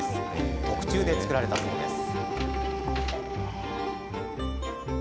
特注で作られたそうです。